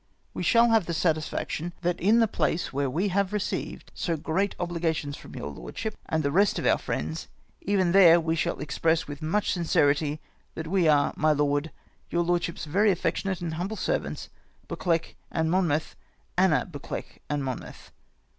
We shall have the satisfaction that in the place where we have received so great obligations from your lordship and the ACCOUNT OF THE DUNDOXALD FAMILY. 25 rest of our friends — even there we shall express with much sincerity that we are, my lord, " Your lordship's very affectionate and humble servants, " BuccLEUCH and Monmouth. " Anna Bdccleuch and Monmouth.